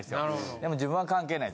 でも自分は関係ない。